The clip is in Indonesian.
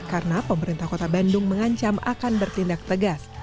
karena pemerintah kota bandung mengancam akan bertindak tegas